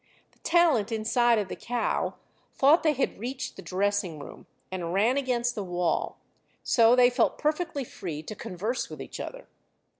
The talent inside of the cow thought they had reached the dressing room and ran against the wall, so they felt perfectly free to converse with each other.